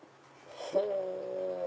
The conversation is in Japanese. ほう。